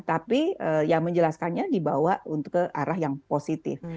tapi yang menjelaskannya dibawa untuk ke arah yang positif